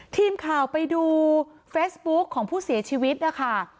ทีมข่าวไปดูเฟซบุ๊กของผู้เสียชีวิตนะคะ